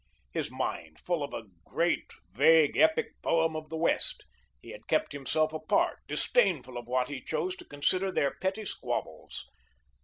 His mind full of a great, vague epic poem of the West, he had kept himself apart, disdainful of what he chose to consider their petty squabbles.